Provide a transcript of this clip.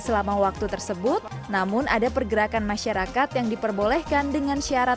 selama waktu tersebut namun ada pergerakan masyarakat yang diperbolehkan dengan syarat